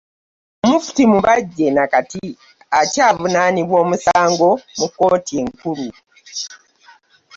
Mufuti Mubajje na kati akyavunaanibwa omusango mu kkooti enkulu.